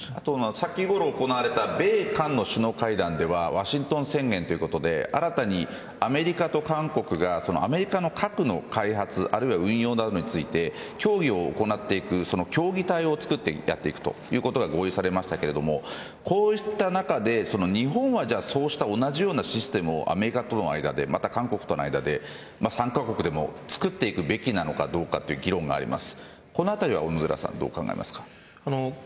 先ほど行われた米韓の首脳会談ではワシントン宣言ということで新たにアメリカと韓国がアメリカの核の開発あるいは運用などについて協議を行っていく協議体を作っていくということが合意されましたけどこういった中で日本はそうした同じようなシステムをアメリカとの間で韓国との間で３カ国でもつくっていくべきなのかという議論があります。